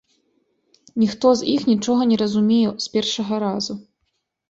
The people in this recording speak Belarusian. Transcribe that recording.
Ніхто з іх нічога не разумее з першага разу.